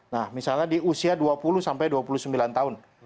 nah misalnya di usia dua puluh sampai dua puluh sembilan tahun